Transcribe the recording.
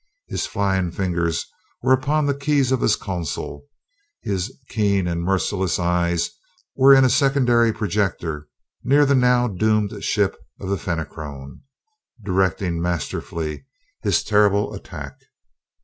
His flying fingers were upon the keys of his console; his keen and merciless eyes were in a secondary projector near the now doomed ship of the Fenachrone, directing masterfully his terrible attack.